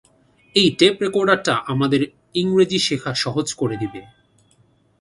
এই টেপ রেকর্ডারটা আমাদের ইংরাজি শেখা সহজ করে দেবে।